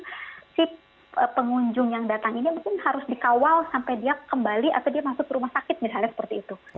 nah si pengunjung yang datang ini mungkin harus dikawal sampai dia kembali atau dia masuk ke rumah sakit misalnya seperti itu